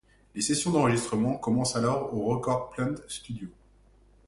Les sessions d'enregistrements commencent alors aux Record Plant Studios.